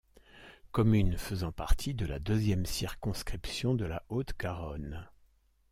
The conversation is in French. Commune faisant partie de la deuxième circonscription de la Haute-Garonne.